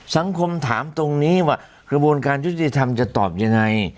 สังคมถามตรงนี้ว่ากระบวนการยุติธรรมจะตอบยังไง